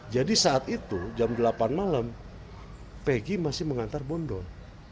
jadi saat itu jam delapan malam pegi masih mengantar bondol